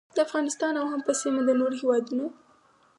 د افغانستان او هم په سیمه کې د نورو هیوادونو